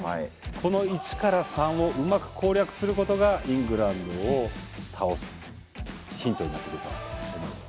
この１から３をうまく攻略することがイングランドを倒すヒントになってくるかなと思います。